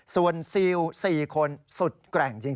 ส่วนซิล๔คนสุดแกร่งจริง